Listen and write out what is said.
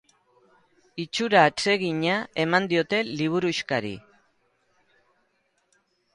Itxura atsegina eman diote liburuxkari.